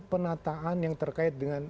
penataan yang terkait dengan